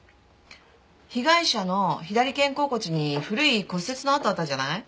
被害者の左肩甲骨に古い骨折の痕あったじゃない？